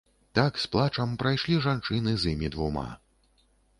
Так з плачам прайшлі жанчыны з імі двума.